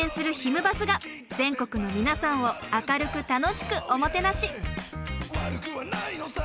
バスが全国の皆さんを明るく楽しくおもてなし。